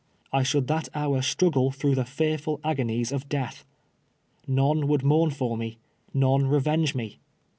I should that hour struggle through the fearful agonies of death ! Xone would mourn for me — none revenge me.